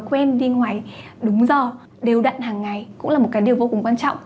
mà quên đi ngoài đúng giờ đều đặn hàng ngày cũng là một cái điều vô cùng quan trọng